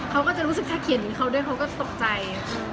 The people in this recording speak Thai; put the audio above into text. เขาก็จะรู้สึกถ้าเขียนเขาด้วยเขาก็ตกใจ